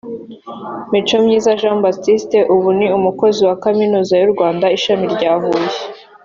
Micomyiza Jean Baptiste ubu ni umukozi wa Kaminuza y’u Rwanda ishami rya Huye